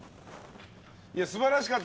素晴らしかった。